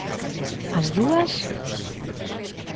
¿As dúas?